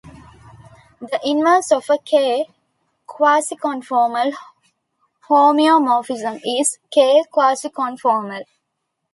The inverse of a "K"-quasiconformal homeomorphism is "K"-quasiconformal.